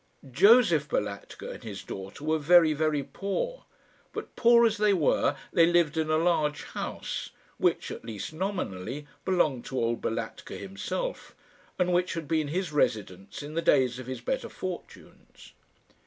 Josef Balatka and his daughter were very, very poor; but, poor as they were, they lived in a large house, which, at least nominally, belonged to old Balatka himself, and which had been his residence in the days of his better fortunes.